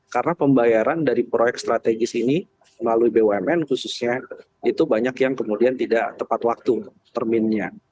karena pembayaran dari proyek strategis ini melalui bumn khususnya itu banyak yang kemudian tidak tepat waktu terminnya